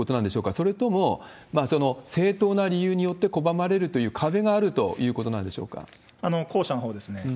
それとも正当な理由によって拒まれるという壁があるということな後者のほうですね。